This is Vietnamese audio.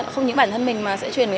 không những bản thân mình mà sẽ truyền